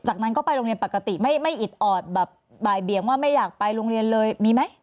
จากนั้นก็ไปโรงเรียนปกติไม่อิดออดแบบบ่ายเบียงว่าไม่อยากไปโรงเรียนเลยมีไหม